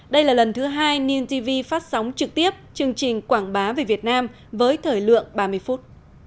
đây là lần thứ hai nintv phát sóng trực tiếp chương trình quảng bá về việt nam với thời lượng ba mươi phút